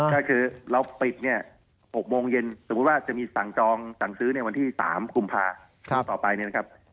ก็คือเราปิดเนี่ย๖โมงเย็นสมมุติว่าจะมีสั่งจองสั่งซื้อในวันที่๓กุมภาต่อไปเนี่ยนะครับ